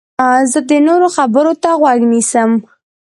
زه د نورو خبرو ته غوږ نیسم.